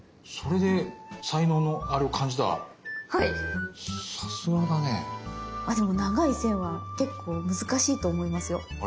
でも長い線は結構難しいと思いますよ。